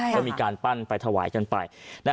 ก็มีการปั้นไปถวายกันไป